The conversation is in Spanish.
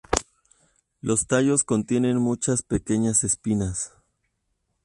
Los tallos contienen muchas pequeñas espinas.